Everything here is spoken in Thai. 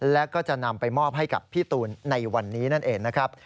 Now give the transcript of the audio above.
และก็จะนำไปมอบให้กับพี่ตูนในวันนี้นั่นเองนะครับ